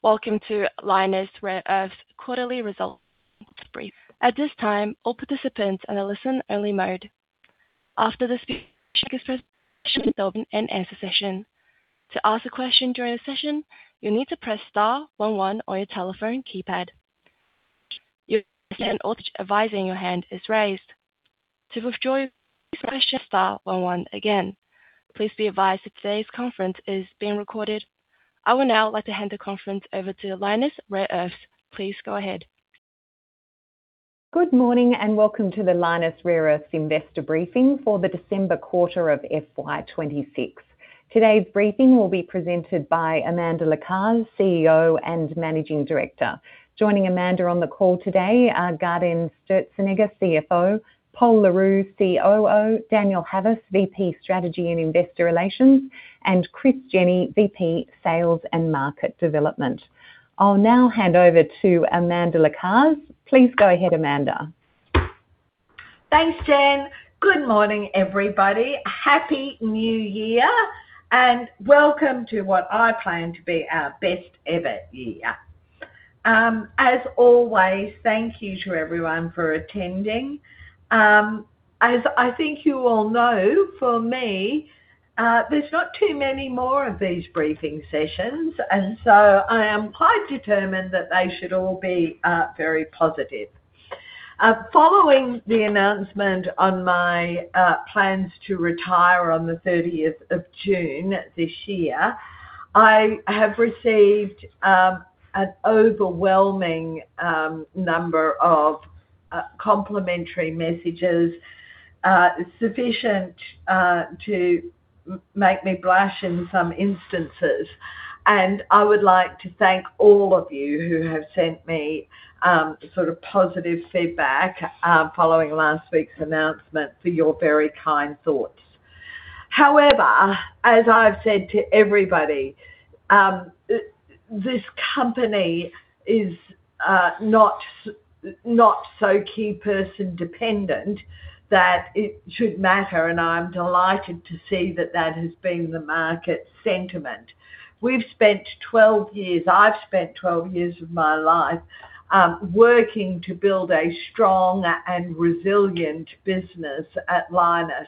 Welcome to Lynas Rare Earths quarterly results briefing. At this time, all participants are in a listen-only mode. After the presentation, the question and answer session will open. To ask a question during the session, you'll need to press star 11 on your telephone keypad. Announcing your hand is raised. To withdraw your question, press star 11 again. Please be advised that today's conference is being recorded. I would now like to hand the conference over to Lynas Rare Earths. Please go ahead. Good morning and welcome to the Lynas Rare Earths Investor Briefing for the December quarter of FY26. Today's briefing will be presented by Amanda Lacaze, CEO and Managing Director. Joining Amanda on the call today are Gaudenz Sturzenegger, CFO, Pol Le Roux, COO, Daniel Havas, VP Strategy and Investor Relations, and Chris Jenny, VP Sales and Market Development. I'll now hand over to Amanda Lacaze. Please go ahead, Amanda. Thanks, Jen. Good morning, everybody. Happy New Year and welcome to what I claim to be our best ever year. As always, thank you to everyone for attending. As I think you all know, for me, there's not too many more of these briefing sessions, and so I am quite determined that they should all be very positive. Following the announcement on my plans to retire on the 30th of June this year, I have received an overwhelming number of complimentary messages sufficient to make me blush in some instances, and I would like to thank all of you who have sent me positive feedback following last week's announcement for your very kind thoughts. However, as I've said to everybody, this company is not so key person dependent that it should matter, and I'm delighted to see that that has been the market sentiment. We've spent 12 years. I've spent 12 years of my life working to build a strong and resilient business at Lynas,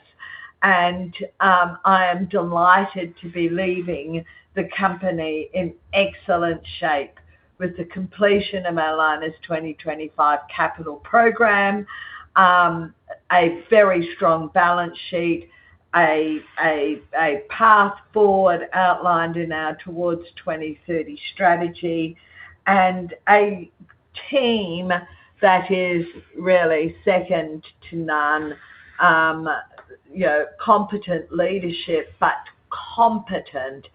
and I am delighted to be leaving the company in excellent shape with the completion of our Lynas 2025 capital program, a very strong balance sheet, a path forward outlined in our Towards 2030 strategy, and a team that is really second to none, competent leadership but competent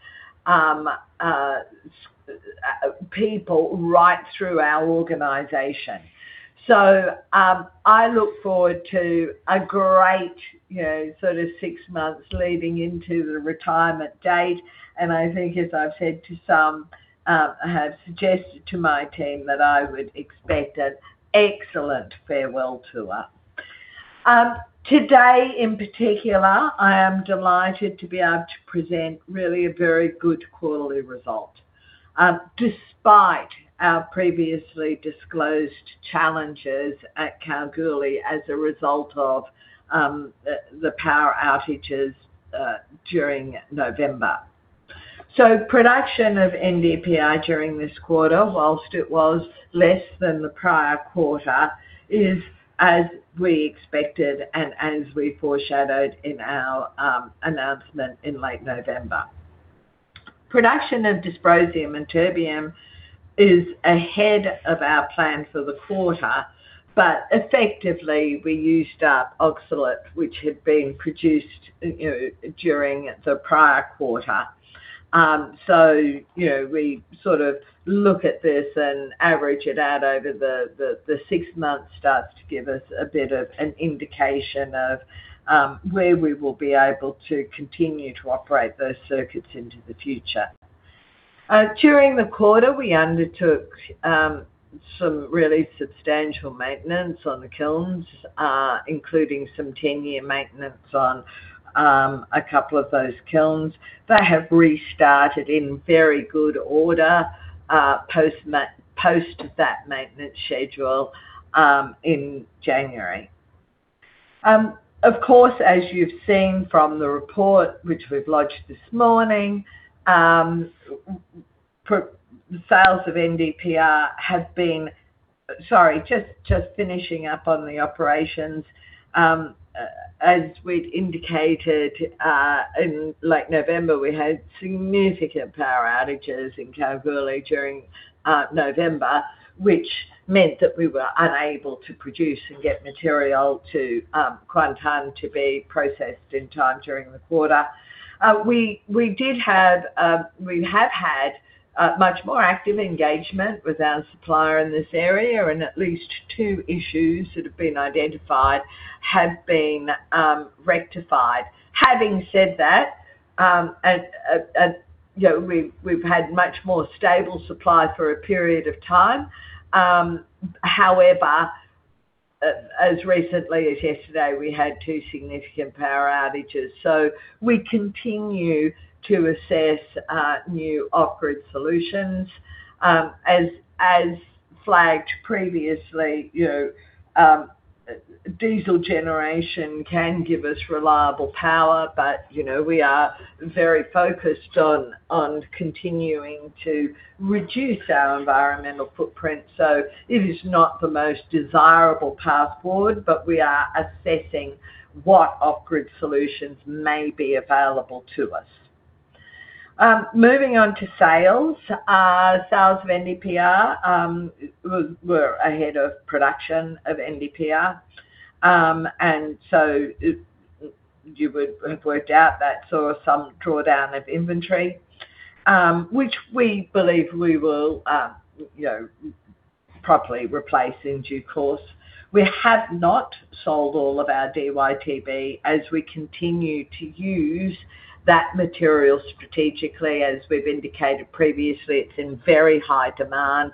people right through our organization. I look forward to a great six months leading into the retirement date. And I think, as I've said to some, I have suggested to my team that I would expect an excellent farewell to her. Today, in particular, I am delighted to be able to present really a very good quarterly result despite our previously disclosed challenges at Kalgoorlie as a result of the power outages during November. Production of NdPr during this quarter, while it was less than the prior quarter, is as we expected and as we foreshadowed in our announcement in late November. Production of dysprosium and terbium is ahead of our plan for the quarter, but effectively we used up oxalate, which had been produced during the prior quarter. We look at this and average it out over the six months starts to give us a bit of an indication of where we will be able to continue to operate those circuits into the future. During the quarter, we undertook some really substantial maintenance on the kilns, including some 10-year maintenance on a couple of those kilns. They have restarted in very good order post that maintenance schedule in January. As you've seen from the report, which we've lodged this morning, sales of NdPr have been. Sorry, just finishing up on the operations. As we'd indicated in late November, we had significant power outages in Kalgoorlie during November, which meant that we were unable to produce and get material to Kuantan to be processed in time during the quarter. We did have. We have had much more active engagement with our supplier in this area, and at least two issues that have been identified have been rectified. Having said that, we've had much more stable supply for a period of time. However, as recently as yesterday, we had two significant power outages. We continue to assess new off-grid solutions. As flagged previously, diesel generation can give us reliable power, but we are very focused on continuing to reduce our environmental footprint. It is not the most desirable path forward, but we are assessing what off-grid solutions may be available to us. Moving on to sales, sales of NdPr were ahead of production of NdPr. And so you would have worked out that saw some drawdown of inventory, which we believe we will properly replace in due course. We have not sold all of our DyTb as we continue to use that material strategically. As we've indicated previously, it's in very high demand.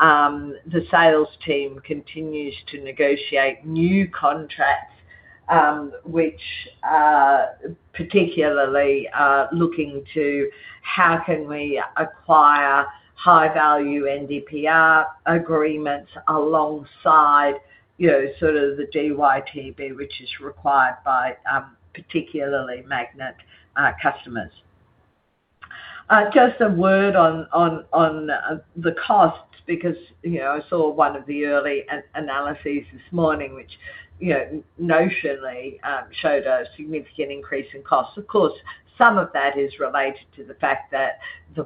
The sales team continues to negotiate new contracts, which particularly are looking to how can we acquire high-value NdPr agreements alongside sort of the DyTb, which is required by particularly magnet customers. Just a word on the costs, because I saw one of the early analyses this morning, which notionally showed a significant increase in costs. Some of that is related to the fact that the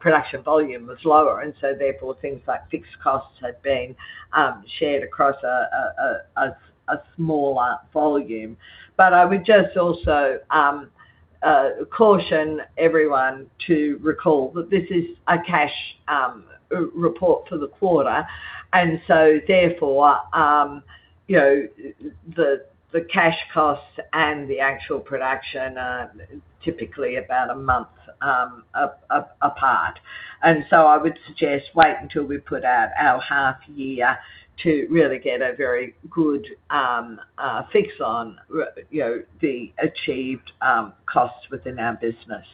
production volume was lower, and so therefore things like fixed costs had been shared across a smaller volume, but I would just also caution everyone to recall that this is a cash report for the quarter, and so therefore the cash costs and the actual production are typically about a month apart, and so I would suggest wait until we put out our half year to really get a very good fix on the achieved costs within our business,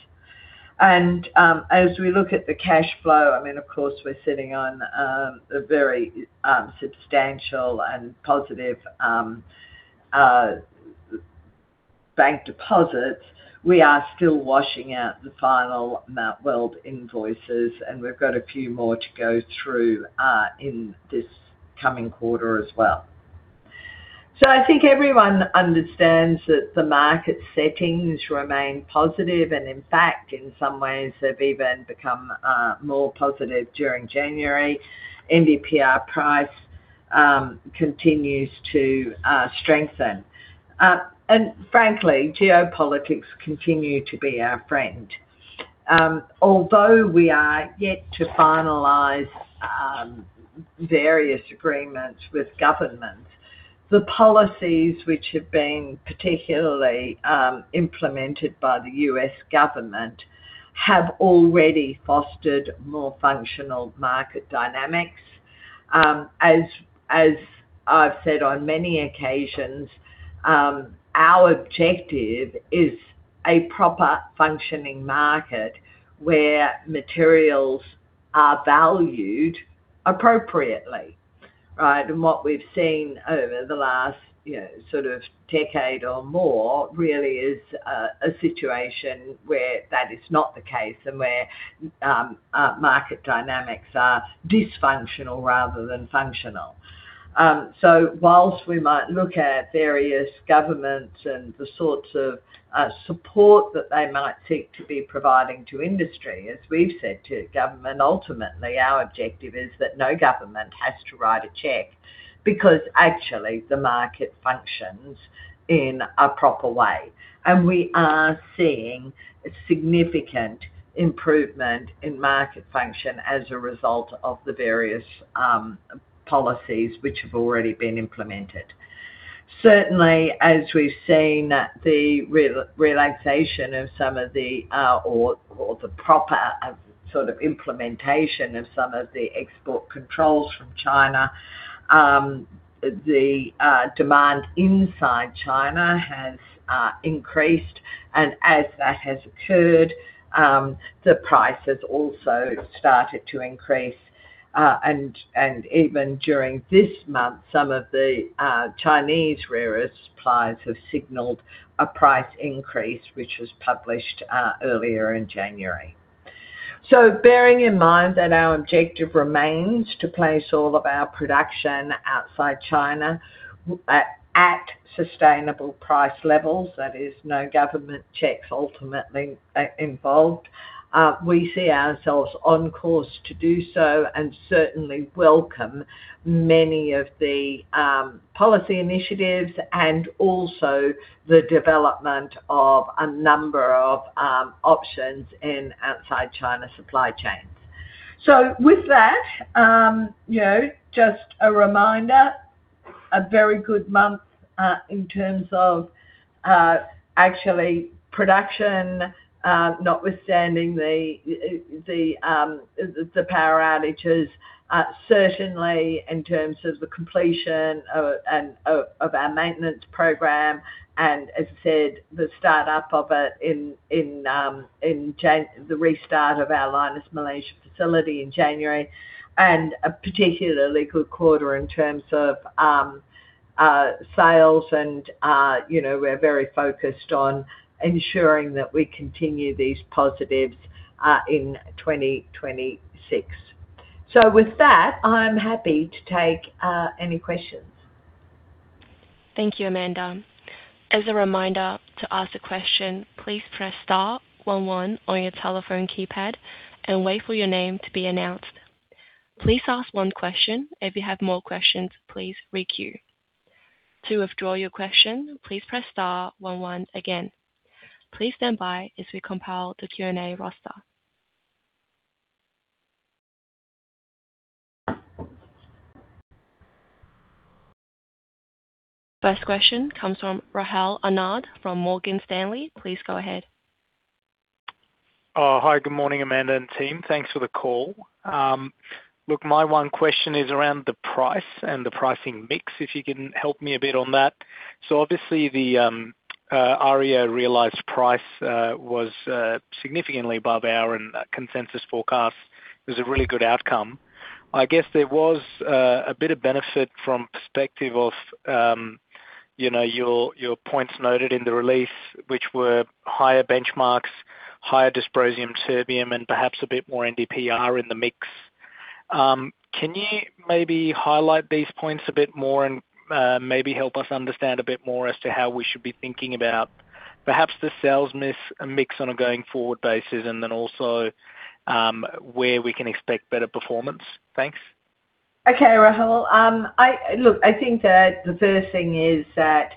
and as we look at the cash flow, I mean, of course, we're sitting on a very substantial and positive bank deposits. We are still washing out the final Mount Weld invoices, and we've got a few more to go through in this coming quarter as well. I think everyone understands that the market settings remain positive, and in fact, in some ways, they've even become more positive during January. NdPr price continues to strengthen. And frankly, geopolitics continue to be our friend. Although we are yet to finalize various agreements with governments, the policies which have been particularly implemented by the U.S. government have already fostered more functional market dynamics. As I've said on many occasions, our objective is a proper functioning market where materials are valued appropriately. And what we've seen over the last sort of decade or more really is a situation where that is not the case and where market dynamics are dysfunctional rather than functional. While we might look at various governments and the sorts of support that they might seek to be providing to industry, as we've said to government, ultimately our objective is that no government has to write a check because actually the market functions in a proper way. And we are seeing a significant improvement in market function as a result of the various policies which have already been implemented. Certainly, as we've seen the relaxation of some of the, or the proper sort of implementation of some of the export controls from China, the demand inside China has increased. And as that has occurred, the prices also started to increase. And even during this month, some of the Chinese rare earth suppliers have signaled a price increase, which was published earlier in January. Bearing in mind that our objective remains to place all of our production outside China at sustainable price levels, that is, no government checks ultimately involved, we see ourselves on course to do so and certainly welcome many of the policy initiatives and also the development of a number of options in outside China supply chains. So with that, just a reminder, a very good month in terms of actually production notwithstanding the power outages, certainly in terms of the completion of our maintenance program and, as I said, the startup of it in the restart of our Lynas Malaysia facility in January. And a particularly good quarter in terms of sales and we're very focused on ensuring that we continue these positives in 2026. With that, I'm happy to take any questions. Thank you, Amanda. As a reminder to ask a question, please press star 11 on your telephone keypad and wait for your name to be announced. Please ask one question. If you have more questions, please re-queue. To withdraw your question, please press star 11 again. Please stand by as we compile the Q&A roster. First question comes from Rahul Anand from Morgan Stanley. Please go ahead. Hi, good morning, Amanda and team. Thanks for the call. Look, my one question is around the price and the pricing mix, if you can help me a bit on that. So obviously, the average realized price was significantly above our consensus forecast. It was a really good outcome. I guess there was a bit of benefit from perspective of your points noted in the release, which were higher benchmarks, higher dysprosium and terbium, and perhaps a bit more NdPr in the mix. Can you maybe highlight these points a bit more and maybe help us understand a bit more as to how we should be thinking about perhaps the sales mix on a going forward basis and then also where we can expect better performance? Thanks. Okay, Rahul. Look, I think that the first thing is that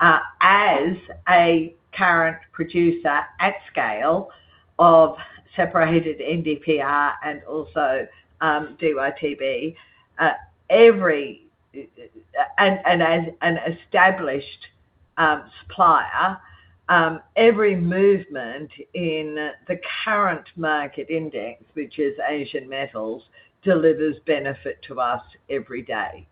as a current producer at scale of separated NdPr and also DyTb, and as an established supplier, every movement in the current market index, which is Asian Metal, delivers benefit to us every day.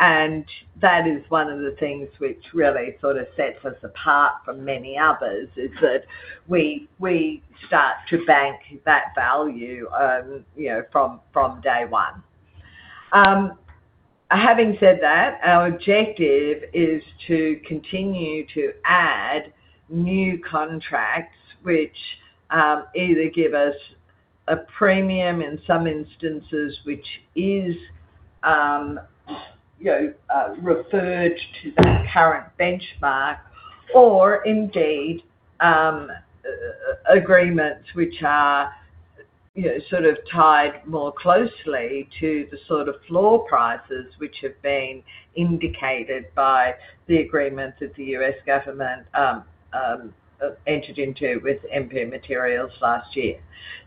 And that is one of the things which really sort of sets us apart from many others is that we start to bank that value from day one. Having said that, our objective is to continue to add new contracts, which either give us a premium in some instances, which is referred to the current benchmark, or indeed agreements which are sort of tied more closely to the sort of floor prices which have been indicated by the agreement that the U.S. government entered into with MP Materials last year.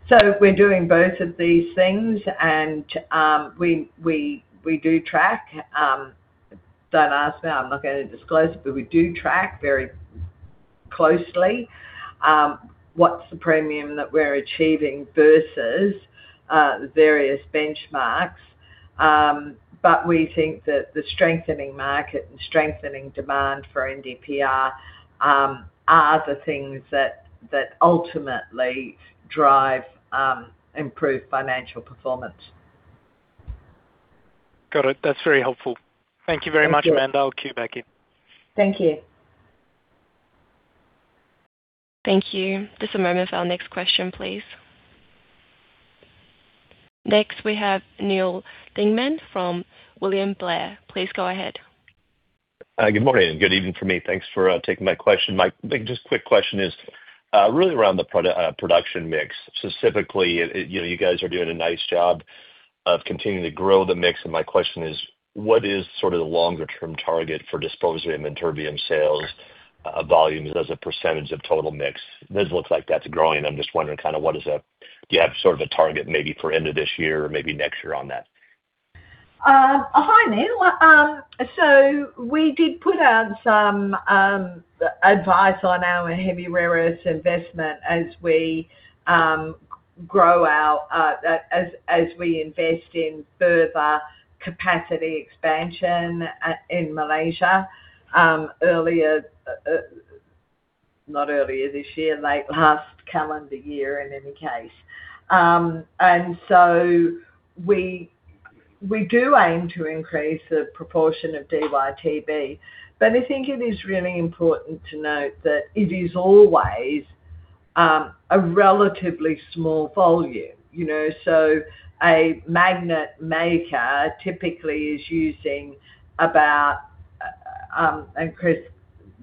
So we're doing both of these things, and we do track. Don't ask me, I'm not going to disclose it, but we do track very closely what's the premium that we're achieving versus various benchmarks. We think that the strengthening market and strengthening demand for NdPr are the things that ultimately drive improved financial performance. Got it. That's very helpful. Thank you very much, Amanda. I'll queue back in. Thank you. Thank you. Just a moment for our next question, please. Next, we have Neal Dingmann from William Blair. Please go ahead. Good morning and good evening from me. Thanks for taking my question. My just quick question is really around the production mix. Specifically, you guys are doing a nice job of continuing to grow the mix. And my question is, what is sort of the longer-term target for dysprosium and terbium sales volumes as a percentage of total mix? It does look like that's growing. I'm just wondering kind of what is, do you have sort of a target maybe for end of this year or maybe next year on that? Hi, Neil. We did put out some advice on our heavy rare earth investment as we grow out, as we invest in further capacity expansion in Malaysia earlier, not earlier this year, late last calendar year in any case. We do aim to increase the proportion of DyTb, but I think it is really important to note that it is always a relatively small volume. A magnet maker typically is using about, and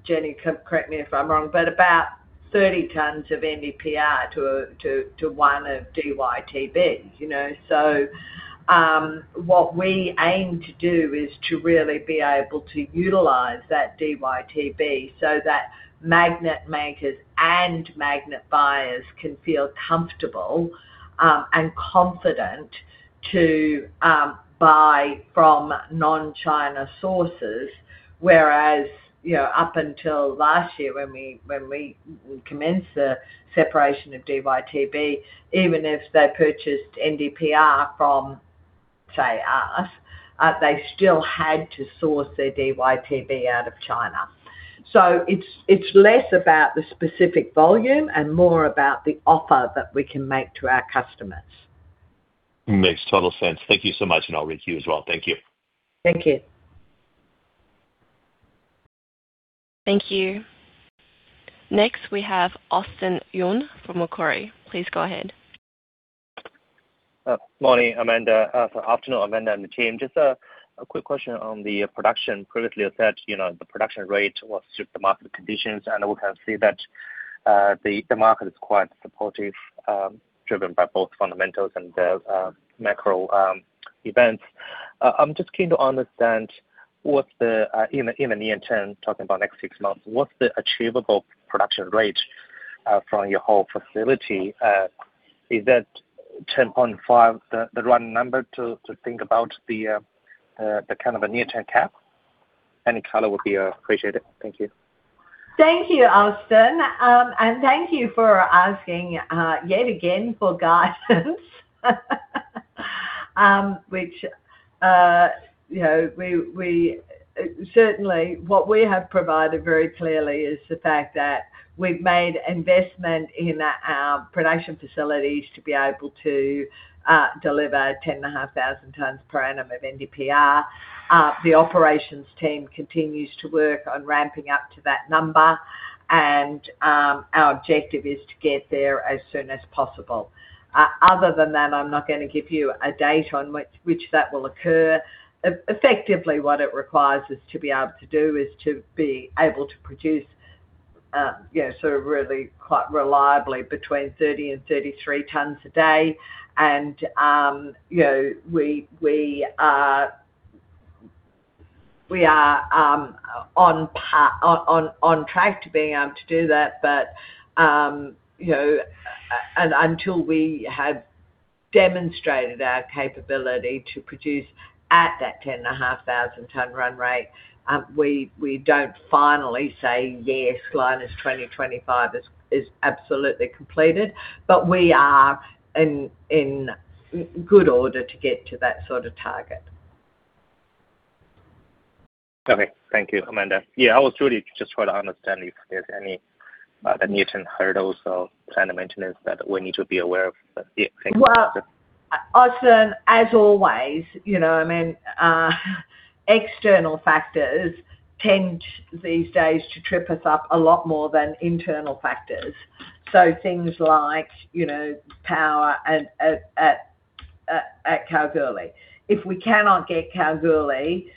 Chris Jenny, correct me if I'm wrong, but about 30 tons of NdPr to one of DyTb. What we aim to do is to really be able to utilize that DyTb so that magnet makers and magnet buyers can feel comfortable and confident to buy from non-China sources. Whereas up until last year, when we commenced the separation of DyTb, even if they purchased NdPr from, say, us, they still had to source their DyTb out of China. So it's less about the specific volume and more about the offer that we can make to our customers. Makes total sense. Thank you so much, and I'll re-queue as well. Thank you. Thank you. Thank you. Next, we have Austin Yun from Macquarie. Please go ahead. Morning, Amanda. Good afternoon, Amanda and the team. Just a quick question on the production. Previously, you said the production rate was just the market conditions, and we can see that the market is quite supportive, driven by both fundamentals and the macro events. I'm just keen to understand what's the in the near term, talking about next six months, what's the achievable production rate from your whole facility? Is that 10.5 the right number to think about the kind of a near-term cap? Any color would be appreciated. Thank you. Thank you, Austin. And thank you for asking yet again for guidance. What we have provided very clearly is the fact that we've made investment in our production facilities to be able to deliver 10,500 tons per annum of NdPr. The operations team continues to work on ramping up to that number, and our objective is to get there as soon as possible. Other than that, I'm not going to give you a date on which that will occur. Effectively, what it requires us to be able to do is to be able to produce sort of really quite reliably between 30 and 33 tons a day. We are on track to being able to do that, but until we have demonstrated our capability to produce at that 10,500-ton run rate, we don't finally say, "Yes, Lynas 2025 is absolutely completed," but we are in good order to get to that sort of target. Okay. Thank you, Amanda. Yeah, I was really just trying to understand if there's any near-term hurdles or planned maintenance that we need to be aware of. Yeah, thank you. Austin, as always, I mean, external factors tend these days to trip us up a lot more than internal factors. So things like power at Kalgoorlie. If we cannot get Kalgoorlie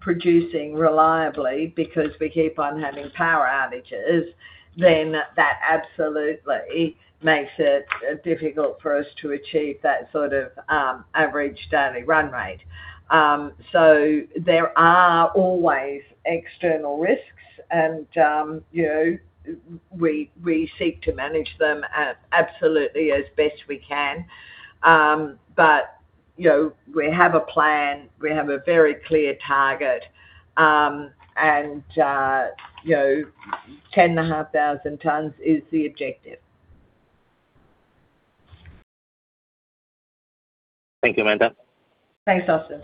producing reliably because we keep on having power outages, then that absolutely makes it difficult for us to achieve that sort of average daily run rate. So there are always external risks, and we seek to manage them absolutely as best we can. But we have a plan. We have a very clear target, and 10,500 tons is the objective. Thank you, Amanda. Thanks, Austin.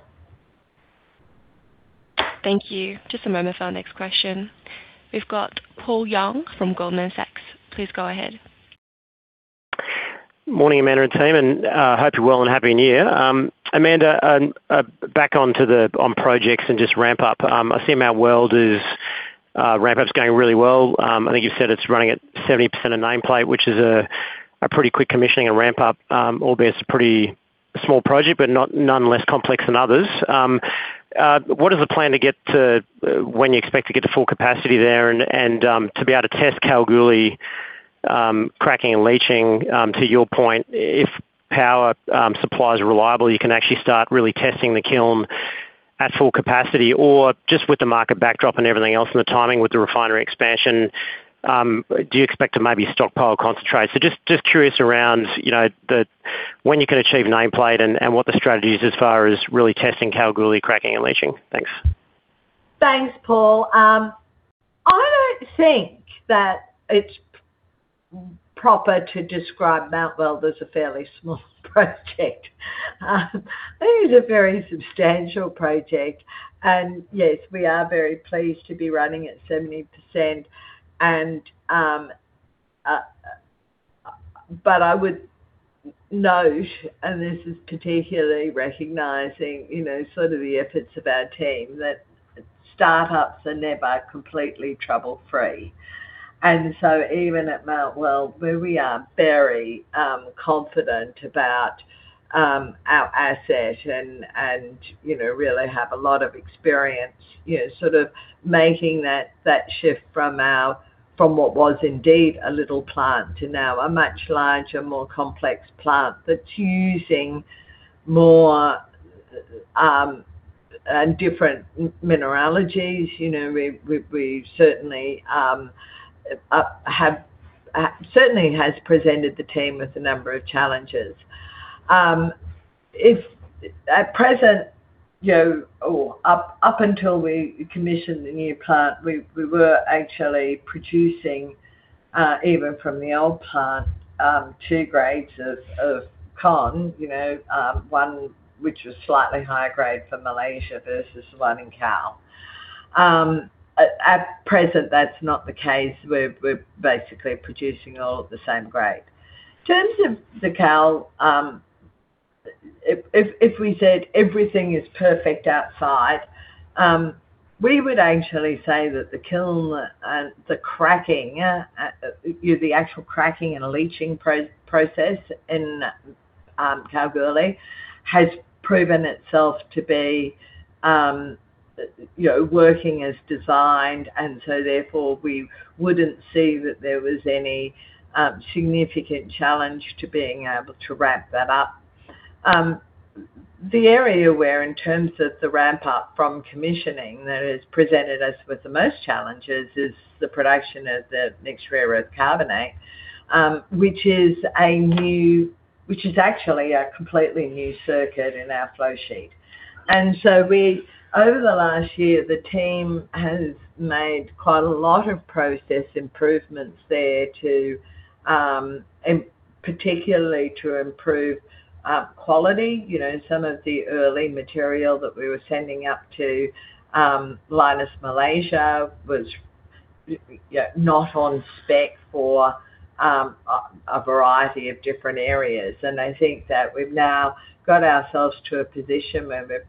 Thank you. Just a moment for our next question. We've got Paul Young from Goldman Sachs. Please go ahead. Morning, Amanda and team, and I hope you're well and happy new year. Amanda, back onto the projects and just ramp up. I see in our world is ramp up's going really well. I think you've said it's running at 70% of nameplate, which is a pretty quick commissioning and ramp up, albeit it's a pretty small project, but no less complex than others. What is the plan to get to when you expect to get to full capacity there and to be able to test Kalgoorlie cracking and leaching? To your point, if power supply is reliable, you can actually start really testing the kiln at full capacity or just with the market backdrop and everything else and the timing with the refinery expansion. Do you expect to maybe stockpile concentrate? Just curious around when you can achieve nameplate and what the strategy is as far as really testing Kalgoorlie cracking and leaching? Thanks. Thanks, Paul. I don't think that it's proper to describe Mount Weld as a fairly small project. It is a very substantial project, and yes, we are very pleased to be running at 70%, but I would note, and this is particularly recognizing sort of the efforts of our team, that startups are never completely trouble-free, and so even at Mount Weld, where we are very confident about our asset and really have a lot of experience sort of making that shift from what was indeed a little plant to now a much larger, more complex plant that's using more and different mineralogy, we certainly have presented the team with a number of challenges. At present, up until we commissioned the new plant, we were actually producing even from the old plant two grades of con, one which was slightly higher grade for Malaysia versus one in Kalgoorlie. At present, that's not the case. We're basically producing all at the same grade. In terms of Kalgoorlie, if we said everything is perfect outside, we would actually say that the kiln and the cracking, the actual cracking and leaching process in Kalgoorlie has proven itself to be working as designed. Therefore, we wouldn't see that there was any significant challenge to being able to ramp that up. The area where in terms of the ramp up from commissioning that has presented us with the most challenges is the production of the mixed rare earth carbonate, which is actually a completely new circuit in our flowsheet. Over the last year, the team has made quite a lot of process improvements there to particularly to improve quality. Some of the early material that we were sending up to Lynas Malaysia was not on spec for a variety of different areas. And I think that we've now got ourselves to a position where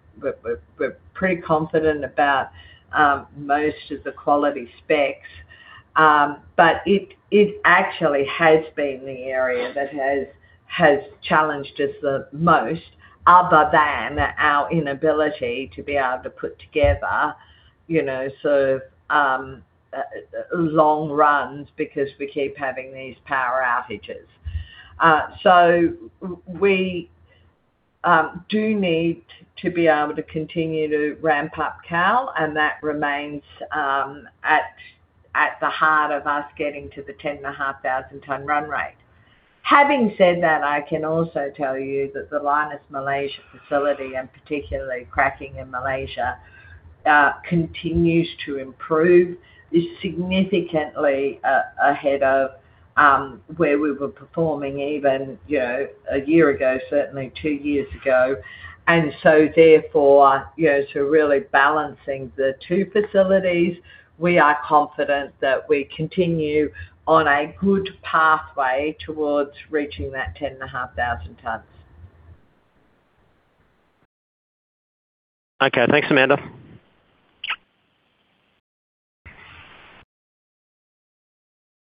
we're pretty confident about most of the quality specs. It actually has been the area that has challenged us the most other than our inability to be able to put together sort of long runs because we keep having these power outages. We do need to be able to continue to ramp up Cal, and that remains at the heart of us getting to the 10,500-ton run rate. Having said that, I can also tell you that the Lynas Malaysia facility, and particularly cracking in Malaysia, continues to improve. It's significantly ahead of where we were performing even a year ago, certainly two years ago. Therefore, it's really balancing the two facilities. We are confident that we continue on a good pathway towards reaching that 10,500 tons. Okay. Thanks, Amanda.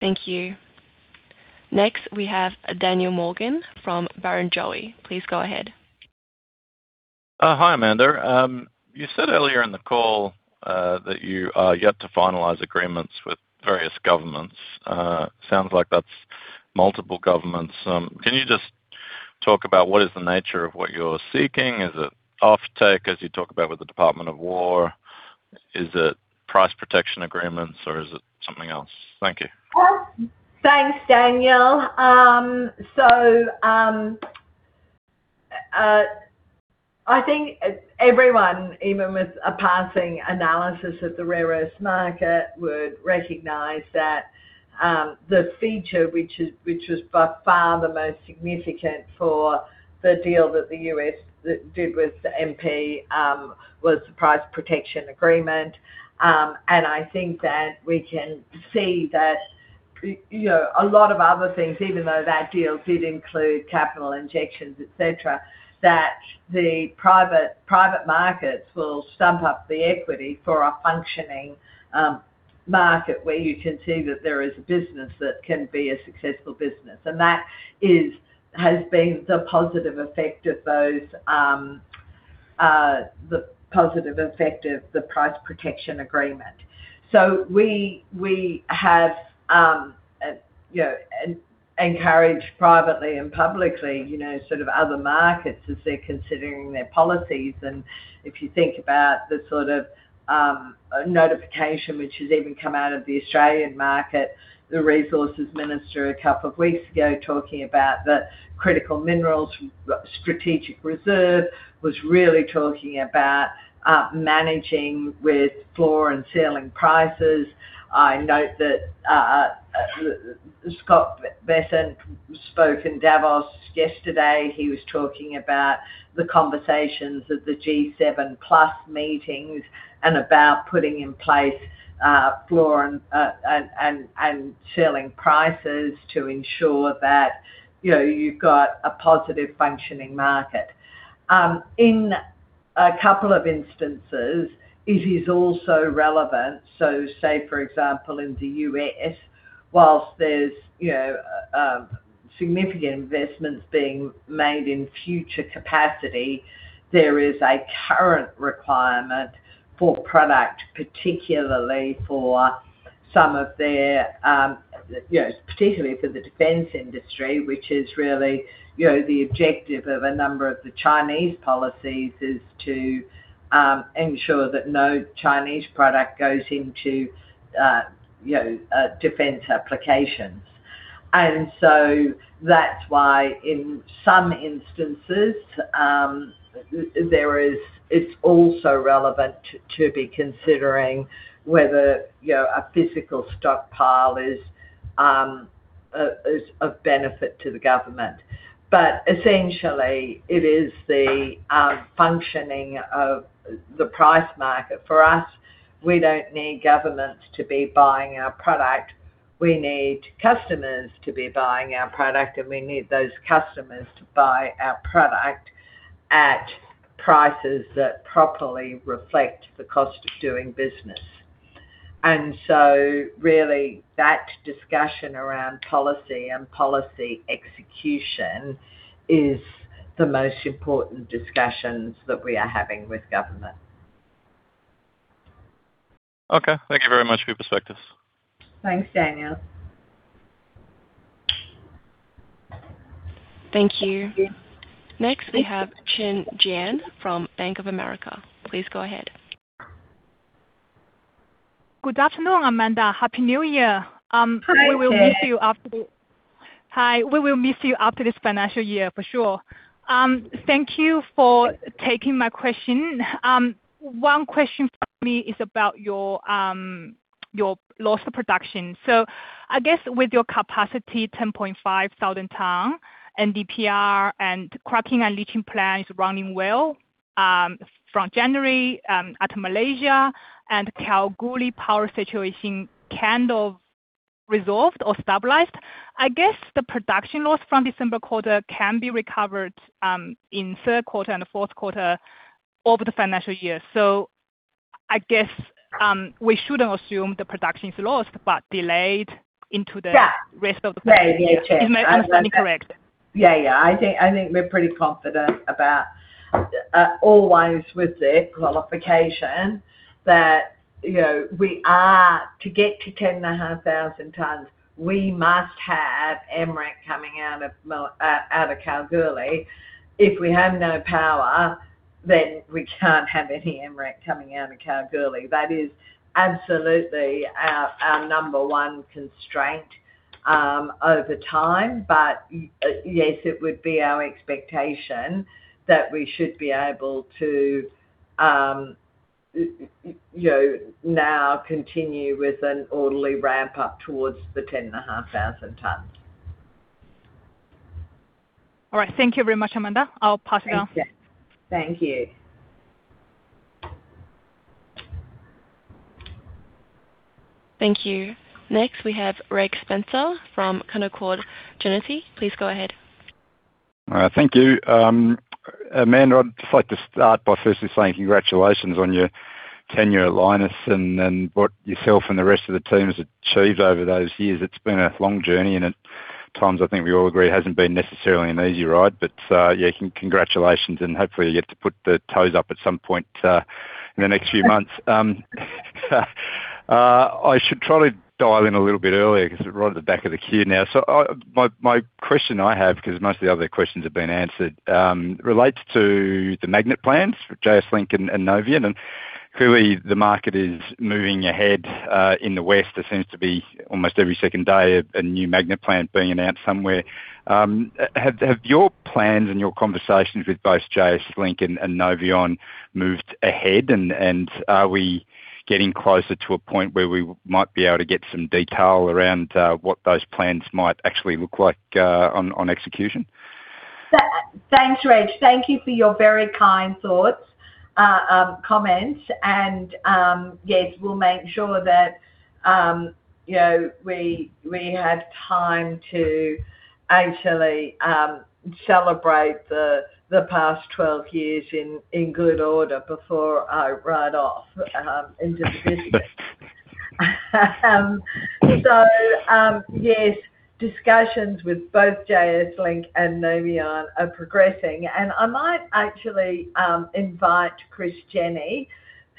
Thank you. Next, we have Daniel Morgan from Barrenjoey. Please go ahead. Hi, Amanda. You said earlier in the call that you are yet to finalize agreements with various governments. Sounds like that's multiple governments. Can you just talk about what is the nature of what you're seeking? Is it off-take as you talk about with the Department of Defense? Is it price protection agreements, or is it something else? Thank you. Thanks, Daniel. I think everyone, even with a passing analysis of the rare earth market, would recognize that the feature, which was by far the most significant for the deal that the U.S. did with MP, was the price protection agreement. And I think that we can see that a lot of other things, even though that deal did include capital injections, etc., that the private markets will stump up the equity for a functioning market where you can see that there is a business that can be a successful business. And that has been the positive effect of the price protection agreement. So we have encouraged privately and publicly sort of other markets as they're considering their policies. If you think about the sort of notification, which has even come out of the Australian market, the Resources Minister a couple of weeks ago talking about the critical minerals strategic reserve was really talking about managing with floor and ceiling prices. I note that Scott Bessent spoke in Davos yesterday. He was talking about the conversations of the G7 Plus meetings and about putting in place floor and ceiling prices to ensure that you've got a positive functioning market. In a couple of instances, it is also relevant. Say, for example, in the U.S., while there's significant investments being made in future capacity, there is a current requirement for product, particularly for some of their, particularly for the defense industry, which is really the objective of a number of the Chinese policies, is to ensure that no Chinese product goes into defense applications. That's why in some instances, it's also relevant to be considering whether a physical stockpile is of benefit to the government. But essentially, it is the functioning of the price market. For us, we don't need governments to be buying our product. We need customers to be buying our product, and we need those customers to buy our product at prices that properly reflect the cost of doing business. Really, that discussion around policy and policy execution is the most important discussions that we are having with government. Okay. Thank you very much for your perspectives. Thanks, Daniel. Thank you. Next, we have Chen Jiang from Bank of America. Please go ahead. Good afternoon, Amanda. Happy New Year. We will miss you after this financial year, for sure. Thank you for taking my question. One question for me is about your loss of production. With your capacity, 10,500 tons of NdPr and cracking and leaching plant is running well from January at Malaysia, and Kalgoorlie power situation kind of resolved or stabilized. I guess the production loss from December quarter can be recovered in third quarter and fourth quarter of the financial year. We shouldn't assume the production is lost but delayed into the rest of the quarter. Yeah, yeah, yeah. Is my understanding correct? I think we're pretty confident about always with the qualification that we are to get to 10,500 tons, we must have MREC coming out of Kalgoorlie. If we have no power, then we can't have any MREC coming out of Kalgoorlie. That is absolutely our number one constraint over time. But yes, it would be our expectation that we should be able to now continue with an orderly ramp up towards the 10,500 tons. All right. Thank you very much, Amanda. I'll pass it down. Thank you. Thank you. Next, we have Reg Spencer from Canaccord Genuity. Please go ahead. All right. Thank you. Amanda, I'd just like to start by firstly saying congratulations on your tenure at Lynas and what yourself and the rest of the team have achieved over those years. It's been a long journey, and at times, I think we all agree it hasn't been necessarily an easy ride. But yeah, congratulations, and hopefully, you get to put the toes up at some point in the next few months. I should try to dial in a little bit earlier because we're right at the back of the queue now. My question I have, because most of the other questions have been answered, relates to the magnet plans for JSLink and Noveon. And clearly, the market is moving ahead in the West. There seems to be almost every second day a new magnet plan being announced somewhere. Have your plans and your conversations with both JSLink and Noveon moved ahead, and are we getting closer to a point where we might be able to get some detail around what those plans might actually look like on execution? Thanks, Reg. Thank you for your very kind thoughts, comments, and yes, we'll make sure that we have time to actually celebrate the past 12 years in good order before I ride off into the business, so yes, discussions with both JSLink and Noveon are progressing, and I might actually invite Chris Jenny,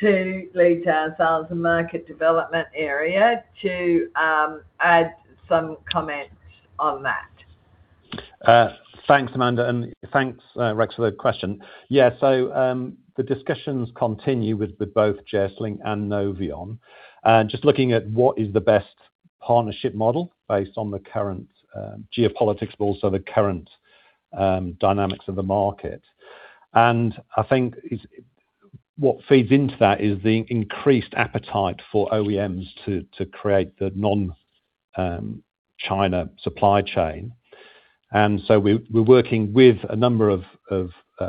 who leads our sales and market development area, to add some comments on that. Thanks, Amanda, and thanks, Reg, for the question. Yeah, so the discussions continue with both JSLink and Noveon. Just looking at what is the best partnership model based on the current geopolitics, but also the current dynamics of the market. I think what feeds into that is the increased appetite for OEMs to create the non-China supply chain. We're working with a number of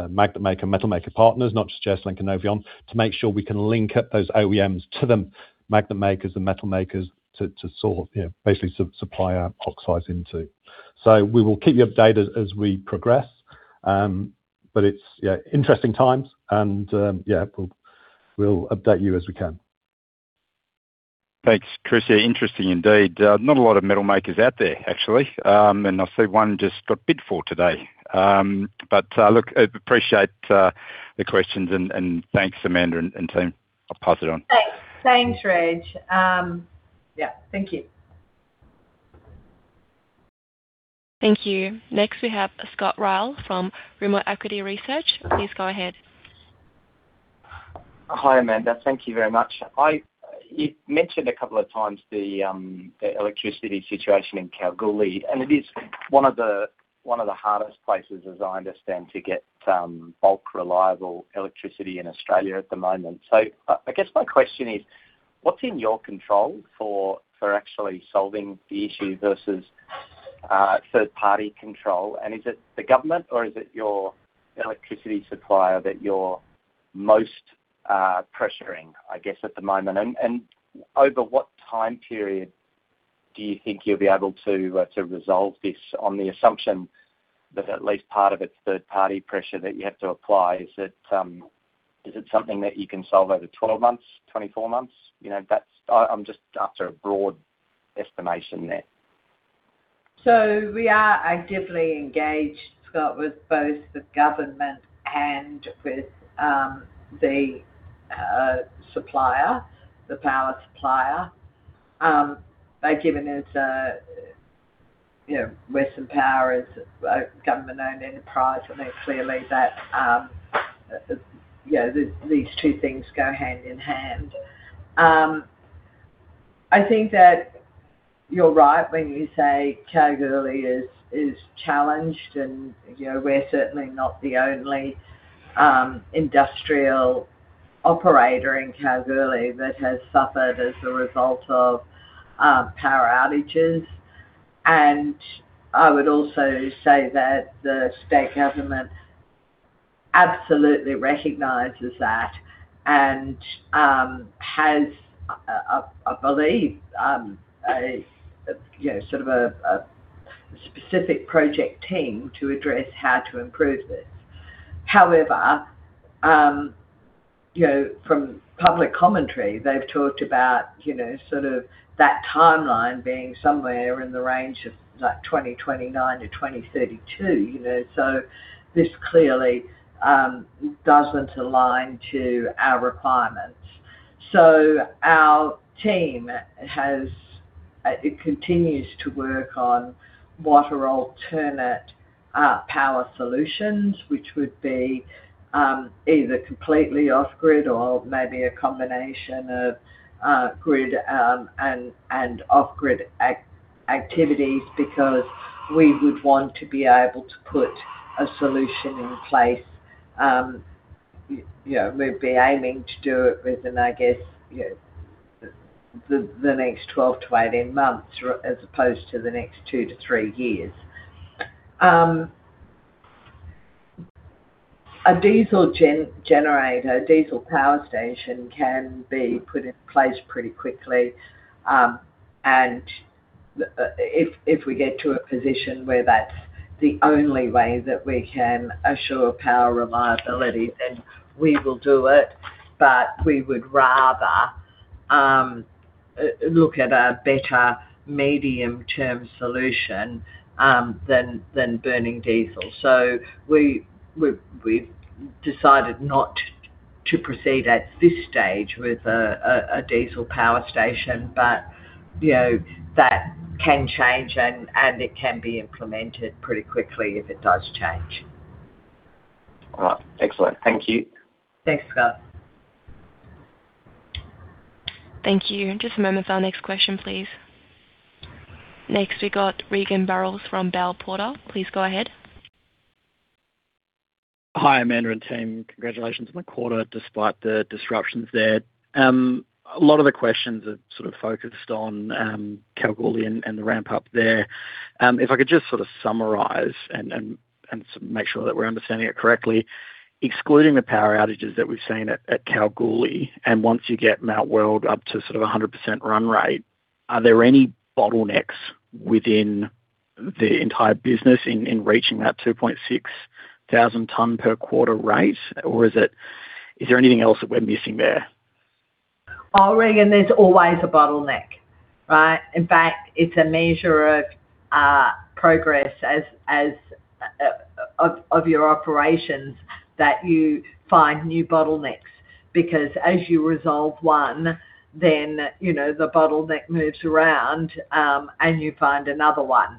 magnet maker and metal maker partners, not just JSLink and Noveon, to make sure we can link up those OEMs to the magnet makers and metal makers to sort of basically supply our oxides into. We will keep you updated as we progress. It's interesting times, and yeah, we'll update you as we can. Thanks, Chris. Yeah, interesting indeed. Not a lot of metal makers out there, actually, and I see one just got bid for today, but look, I appreciate the questions, and thanks, Amanda and team. I'll pass it on. Thanks, Reg. Yeah, thank you. Thank you. Next, we have Scott Ryall from Rimor Equity Research. Please go ahead. Hi, Amanda. Thank you very much. You've mentioned a couple of times the electricity situation in Kalgoorlie, and it is one of the hardest places, as I understand, to get bulk reliable electricity in Australia at the moment. So I guess my question is, what's in your control for actually solving the issue versus third-party control? And is it the government, or is it your electricity supplier that you're most pressuring, I guess, at the moment? And over what time period do you think you'll be able to resolve this on the assumption that at least part of it's third-party pressure that you have to apply? Is it something that you can solve over 12 months, 24 months? I'm just after a broad estimation there. We are actively engaged, Scott, with both the government and with the supplier, the power supplier. They've given us Western Power as a government-owned enterprise, and they clearly that these two things go hand in hand. I think that you're right when you say Kalgoorlie is challenged, and we're certainly not the only industrial operator in Kalgoorlie that has suffered as a result of power outages. And I would also say that the state government absolutely recognizes that and has, I believe, sort of a specific project team to address how to improve this. However, from public commentary, they've talked about sort of that timeline being somewhere in the range of 2029-2032. So this clearly doesn't align to our requirements. Our team continues to work on what are alternate power solutions, which would be either completely off-grid or maybe a combination of grid and off-grid activities because we would want to be able to put a solution in place. We'd be aiming to do it within, I guess, the next 12-18 months as opposed to the next two to three years. A diesel generator, a diesel power station can be put in place pretty quickly. If we get to a position where that's the only way that we can assure power reliability, then we will do it. We would rather look at a better medium-term solution than burning diesel. We've decided not to proceed at this stage with a diesel power station, but that can change, and it can be implemented pretty quickly if it does change. All right. Excellent. Thank you. Thanks, Scott. Thank you. Just a moment for our next question, please. Next, we got Regan Burrows from Bell Potter. Please go ahead. Hi, Amanda and team. Congratulations on the quarter despite the disruptions there. A lot of the questions are sort of focused on Kalgoorlie and the ramp up there. If I could just sort of summarize and make sure that we're understanding it correctly, excluding the power outages that we've seen at Kalgoorlie, and once you get Mount Weld up to sort of 100% run rate, are there any bottlenecks within the entire business in reaching that 2.6 thousand ton per quarter rate? Or is there anything else that we're missing there? Oh, Regan, there's always a bottleneck, right? In fact, it's a measure of progress of your operations that you find new bottlenecks because as you resolve one, then the bottleneck moves around and you find another one.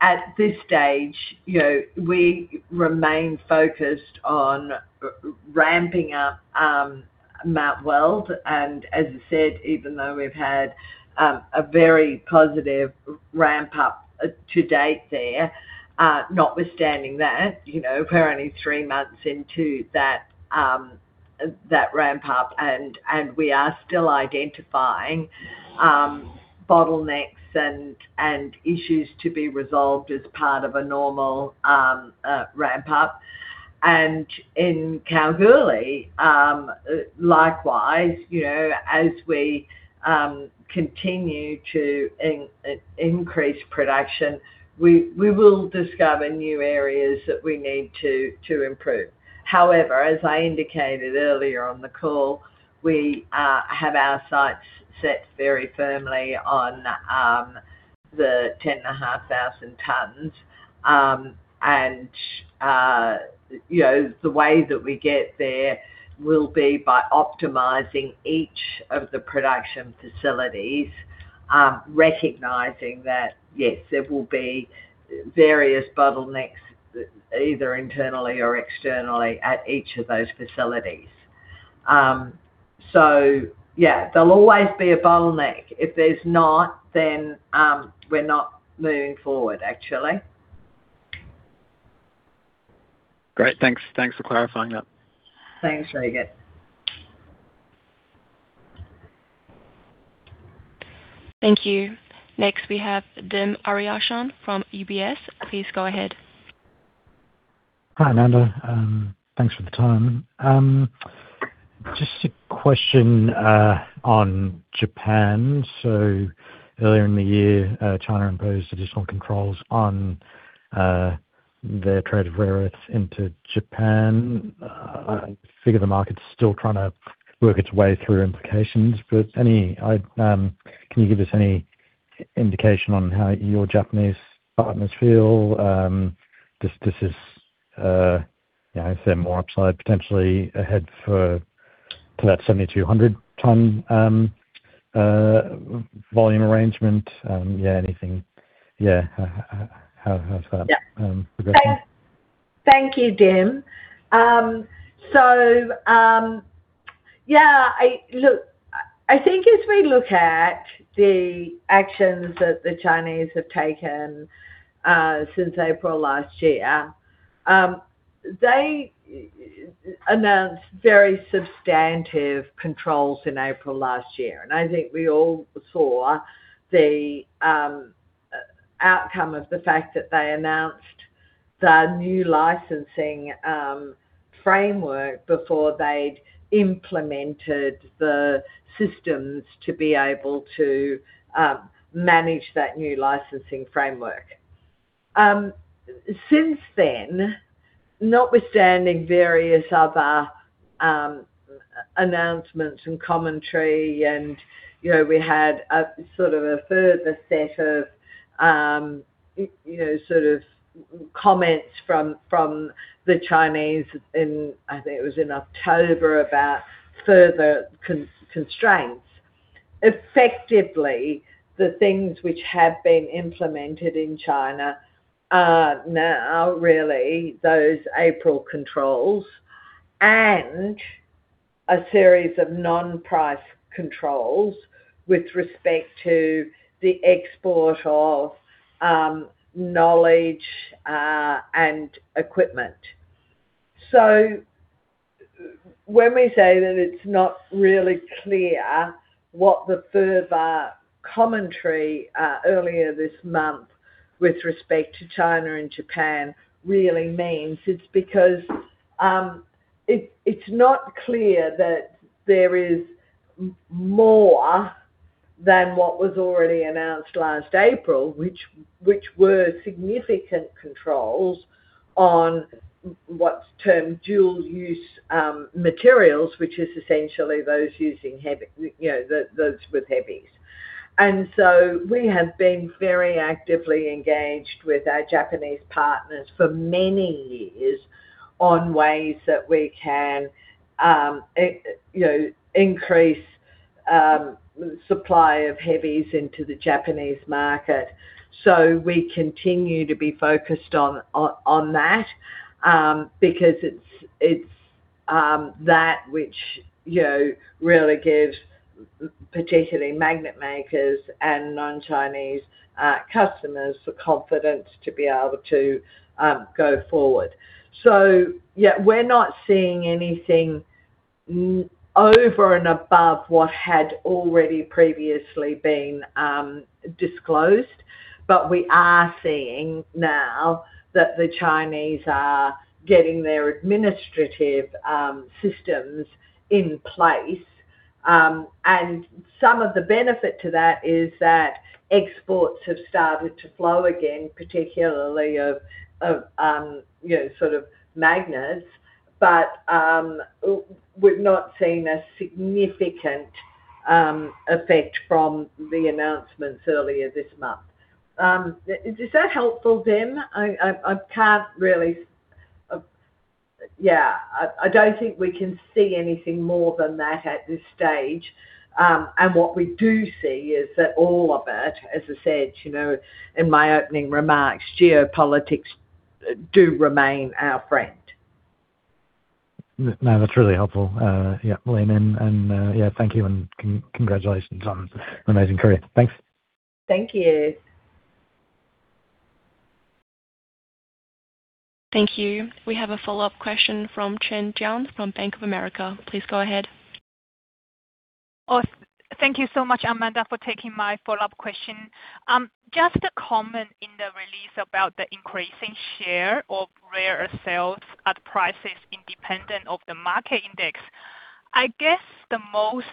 At this stage, we remain focused on ramping up Mount Weld. As I said, even though we've had a very positive ramp up to date there, notwithstanding that, we're only three months into that ramp up, and we are still identifying bottlenecks and issues to be resolved as part of a normal ramp up. In Kalgoorlie, likewise, as we continue to increase production, we will discover new areas that we need to improve. However, as I indicated earlier on the call, we have our sights set very firmly on the 10,500 tons. The way that we get there will be by optimizing each of the production facilities, recognizing that, yes, there will be various bottlenecks either internally or externally at each of those facilities. Yeah, there'll always be a bottleneck. If there's not, then we're not moving forward, actually. Great. Thanks for clarifying that. Thanks, Regan. Thank you. Next, we have Dim Ariyasinghe from UBS. Please go ahead. Hi, Amanda. Thanks for the time. Just a question on Japan. Earlier in the year, China imposed additional controls on their trade of rare earths into Japan. I figure the market's still trying to work its way through implications. Can you give us any indication on how your Japanese partners feel? I'd say more upside potentially ahead for that 7,200-ton volume arrangement anything? Thank you, Dim. I think as we look at the actions that the Chinese have taken since April last year, they announced very substantive controls in April last year. I think we all saw the outcome of the fact that they announced the new licensing framework before they'd implemented the systems to be able to manage that new licensing framework. Since then, notwithstanding various other announcements and commentary, and we had sort of a further set of sort of comments from the Chinese in, I think it was in October, about further constraints. Effectively, the things which have been implemented in China are now really those April controls and a series of non-price controls with respect to the export of knowledge and equipment. When we say that it's not really clear what the further commentary earlier this month with respect to China and Japan really means, it's because it's not clear that there is more than what was already announced last April, which were significant controls on what's termed dual-use materials, which is essentially those using heavies, those with heavies. We have been very actively engaged with our Japanese partners for many years on ways that we can increase the supply of heavies into the Japanese market. We continue to be focused on that because it's that which really gives particularly magnet makers and non-Chinese customers the confidence to be able to go forward. We're not seeing anything over and above what had already previously been disclosed, but we are seeing now that the Chinese are getting their administrative systems in place. Some of the benefit to that is that exports have started to flow again, particularly of sort of magnets, but we've not seen a significant effect from the announcements earlier this month. Is that helpful, Dim? I can't really yeah, I don't think we can see anything more than that at this stage. And what we do see is that all of it, as I said in my opening remarks, geopolitics do remain our friend. No, that's really helpful. Yeah, Leanan, and yeah, thank you, and congratulations on an amazing career. Thanks. Thank you. Thank you. We have a follow-up question from Chen Jiang from Bank of America. Please go ahead. Thank you so much, Amanda, for taking my follow-up question. Just a comment in the release about the increasing share of rare earth sales at prices independent of the market index. I guess the most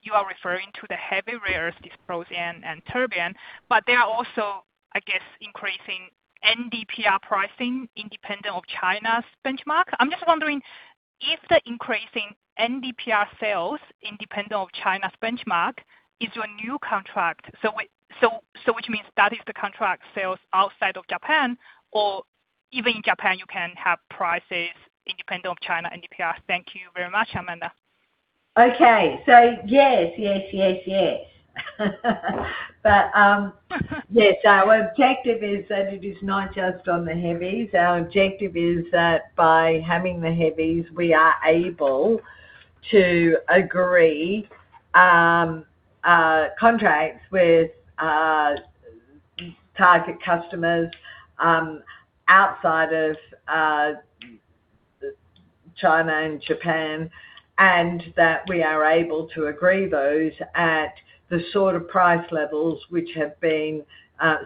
you are referring to the heavy rare earth dysprosium and terbium, but there are also, I guess, increasing NdPr pricing independent of China's benchmark. I'm just wondering if the increasing NdPr sales independent of China's benchmark is your new contract, which means that is the contract sales outside of Japan, or even in Japan, you can have prices independent of China NdPr. Thank you very much, Amanda. Okay, so yes, yes, yes, yes, but yes, our objective is that it is not just on the heavies. Our objective is that by having the heavies, we are able to agree contracts with target customers outside of China and Japan, and that we are able to agree those at the sort of price levels which have been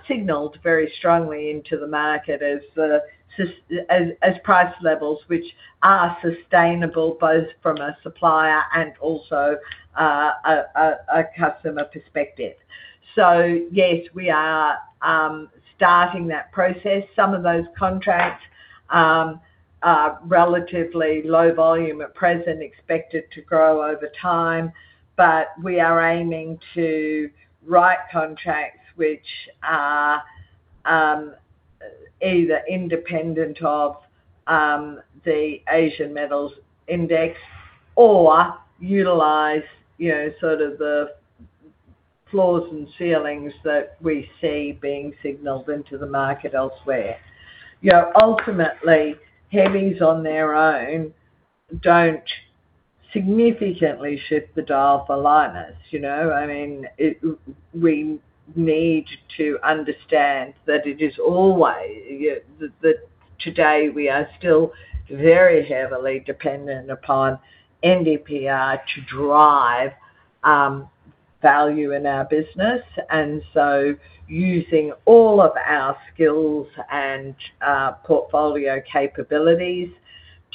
signaled very strongly into the market as price levels which are sustainable both from a supplier and also a customer perspective. Yes, we are starting that process. Some of those contracts are relatively low volume at present, expected to grow over time, but we are aiming to write contracts which are either independent of the Asian Metal Index or utilize sort of the floors and ceilings that we see being signaled into the market elsewhere. Ultimately, heavies on their own don't significantly shift the dial for lights. I mean, we need to understand that it is always that today we are still very heavily dependent upon NdPr to drive value in our business, and so using all of our skills and portfolio capabilities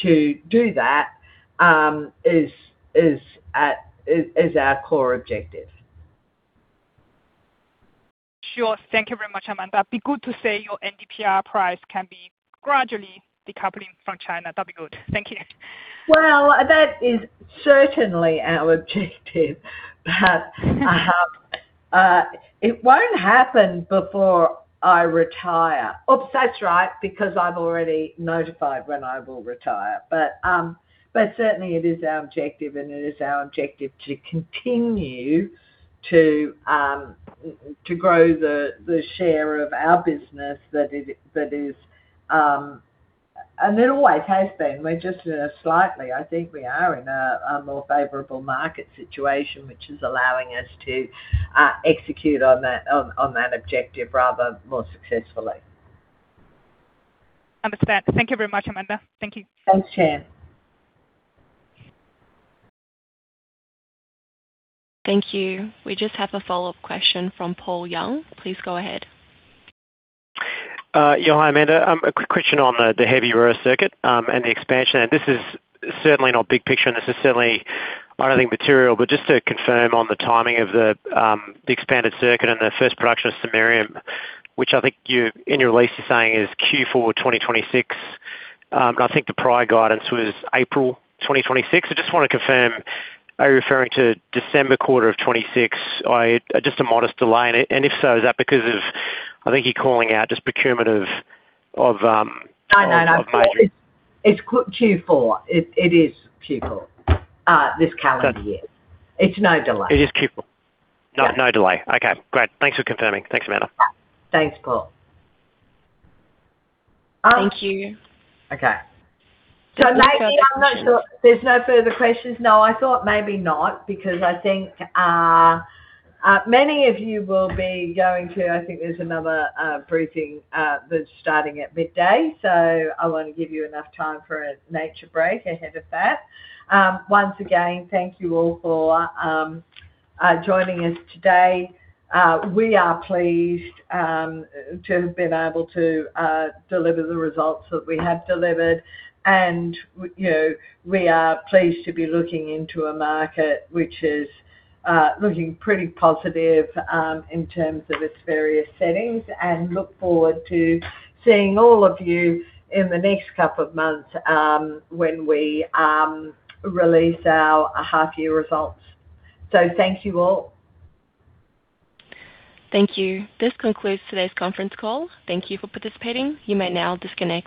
to do that is our core objective. Sure. Thank you very much, Amanda. It'd be good to say your NdPr price can be gradually decoupling from China. That'd be good. Thank you. Well, that is certainly our objective. It won't happen before I retire. Oops, that's right, because I've already notified when I will retire. But certainly, it is our objective, and it is our objective to continue to grow the share of our business that is, and it always has been. We're just in a slightly, I think we are in a more favorable market situation, which is allowing us to execute on that objective rather more successfully. Understand. Thank you very much, Amanda. Thank you. Thanks, Chen. Thank you. We just have a follow-up question from Paul Young. Please go ahead. Yeah, hi, Amanda. A quick question on the heavy rare earth circuit and the expansion. This is certainly not big picture, and this is certainly I don't think material, but just to confirm on the timing of the expanded circuit and the first production of samarium, which I think in your release you're saying is Q4 2026. And I think the prior guidance was April 2026. I just want to confirm, are you referring to December quarter of 2026? Just a modest delay. If so, is that because of, I think, you're calling out just procurement of. No, no, no. It's Q4. It is Q4 this calendar year. It's no delay. It is Q4. No delay. Okay. Great. Thanks for confirming. Thanks, Amanda. Thanks, Paul. Thank you. Okay. Maybe I'm not sure. There's no further questions. No, I thought maybe not because I think many of you will be going to, I think there's another briefing that's starting at midday. I want to give you enough time for a nature break ahead of that. Once again, thank you all for joining us today. We are pleased to have been able to deliver the results that we have delivered. We are pleased to be looking into a market which is looking pretty positive in terms of its various settings and look forward to seeing all of you in the next couple of months when we release our half-year results. Thank you all. Thank you. This concludes today's conference call. Thank you for participating. You may now disconnect.